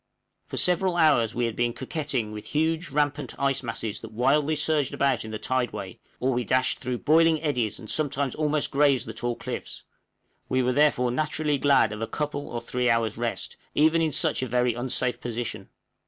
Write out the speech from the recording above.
For several hours we had been coquetting with huge rampant ice masses that wildly surged about in the tideway, or we dashed through boiling eddies, and sometimes almost grazed the tall cliffs; we were therefore naturally glad of a couple or three hours' rest, even in such a very unsafe position.